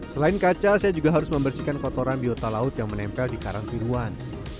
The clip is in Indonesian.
selain kaca saya juga harus membersihkan kotoran biota laut yang menempel di karang tiruan